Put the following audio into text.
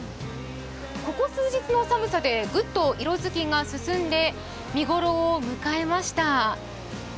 ここ数日の寒さでぐっと色づきが進んで見ごろを迎えました。